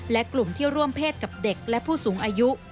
และกลุ่มที่ร่วมเพศกับเด็กและผู้สูงอายุ